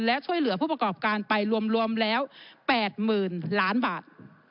และช่วยเหลือผู้ประกอบการไปรวมแล้ว๘๐๐๐ล้านบาท